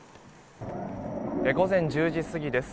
午前１０時過ぎです。